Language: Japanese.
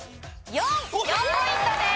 ４ポイントです。